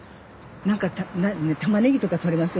何かたまねぎとか取れます？